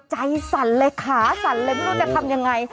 ในขาสั่นเลยไม่รู้จะทำยังไง